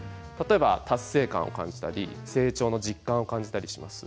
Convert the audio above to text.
達成感を感じたり、成長の実感を感じたりしてます。